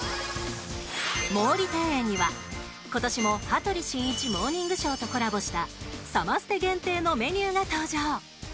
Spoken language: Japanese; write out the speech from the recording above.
毛利庭園には今年も「羽鳥慎一モーニングショー」とコラボしたサマステ限定のメニューが登場。